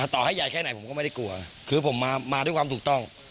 ต่อให้ใหญ่แค่ไหนผมก็ไม่ได้กลัวคือผมมาด้วยความถูกต้อง